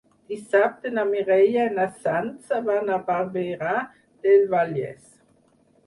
Dissabte na Mireia i na Sança van a Barberà del Vallès.